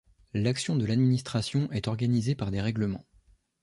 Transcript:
L'action de l'administration est organisée par des règlements.